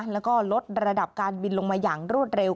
แล้วก็ลดระดับการบินลงมาอย่างรวดเร็ว